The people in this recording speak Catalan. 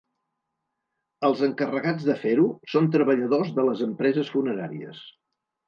Els encarregats de fer-ho són treballadors de les empreses funeràries.